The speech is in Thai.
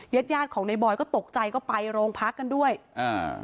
ญาติญาติของในบอยก็ตกใจก็ไปโรงพักกันด้วยอ่า